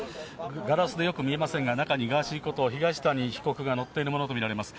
ガラスでよく見えませんが、中にガーシーこと東谷被告が乗っているものと見られます。